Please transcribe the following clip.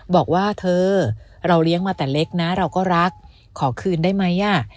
บอกว่าเธอเราเลี้ยงมาแต่เล็กนะเราก็รักขอคืนได้ไหม